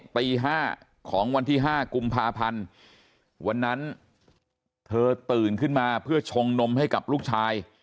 ตี๕ของวันที่๕กุมภาพันธ์วันนั้นเธอตื่นขึ้นมาเพื่อชงนมให้กับลูกชาย